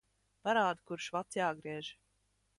Parādi, kurš vads jāgriež.